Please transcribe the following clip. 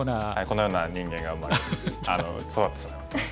このような人間が育ってしまいますね。